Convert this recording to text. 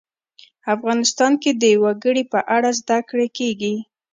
افغانستان کې د وګړي په اړه زده کړه کېږي.